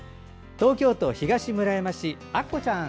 東京都東村山市あっこちゃん。